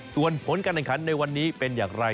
ส่วนผลการแขนกีฬาแห่งชาติในวันนี้เป็นอย่างไร